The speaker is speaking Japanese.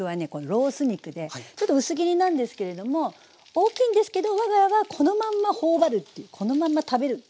ロース肉でちょっと薄切りなんですけれども大きいんですけど我が家はこのまんま頬張るっていうこのまんま食べるっていうことを。